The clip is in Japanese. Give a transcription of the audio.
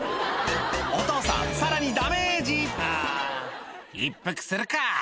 お父さんさらにダメージ「一服するか」